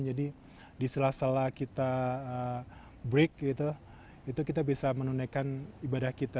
jadi di sela sela kita break gitu itu kita bisa menundaikan ibadah kita